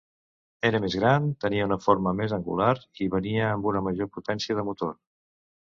Era més gran, tenia una forma més angular, i venia amb una major potència de motor.